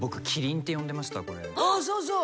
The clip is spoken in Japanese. あっそうそう！